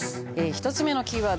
１つ目のキーワード